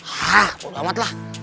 hah bodo amat lah